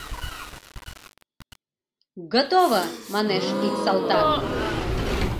«Готово!» — манеш ик салтак.